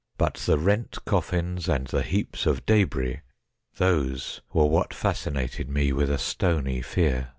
But the rent coffins and the heaps of debris, those were what fascinated me with a stony fear.